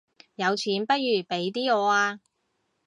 有錢不如俾啲我吖